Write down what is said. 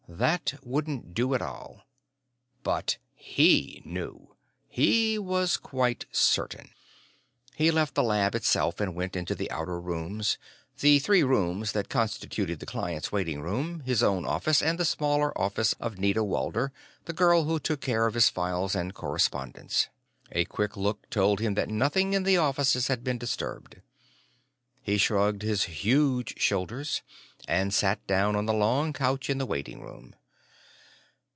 That wouldn't do at all. But he knew. He was quite certain. He left the lab itself and went into the outer rooms, the three rooms that constituted the clients' waiting room, his own office, and the smaller office of Nita Walder, the girl who took care of his files and correspondence. A quick look told him that nothing in the offices had been disturbed. He shrugged his huge shoulders and sat down on the long couch in the waiting room.